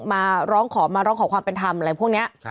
มาร้องขอมาร้องขอความเป็นธรรมอะไรพวกนี้